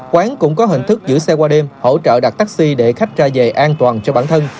quán cũng có hình thức giữ xe qua đêm hỗ trợ đặt taxi để khách ra về an toàn cho bản thân